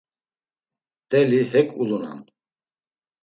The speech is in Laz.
Mteli hek ulunan.